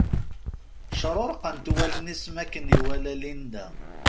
Cruṛqent wallen-is makken iwala Linda.